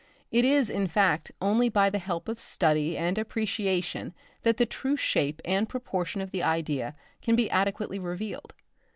It is, in fact, only by the help of study and appreciation that the true shape and proportion of the idea can be adequately revealed.